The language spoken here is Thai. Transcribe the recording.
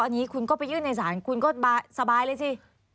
อันนี้คุณก็ไปยื่นในศาลคุณก็สบายเลยสิ